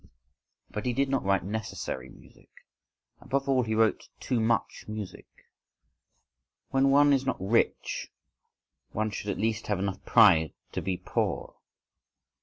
—But he did not write necessary music, above all he wrote too much music!—When one is not rich one should at least have enough pride to be poor!